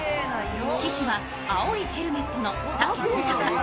騎手は青いヘルメットの武豊。